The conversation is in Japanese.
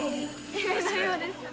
夢のようですね。